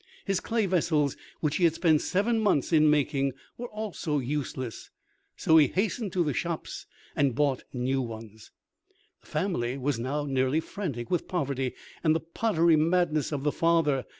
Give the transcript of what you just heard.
His clay vessels which he had spent seven months in making were also useless, so he hastened to the shops, and bought new ones. The family were now nearly frantic with poverty and the pottery madness of the father.